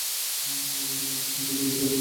আমাদের জীবনযাত্রা সম্পর্কে জিজ্ঞেস করেছিলেন।